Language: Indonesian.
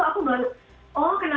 makanya aku memilih waktu memainkannya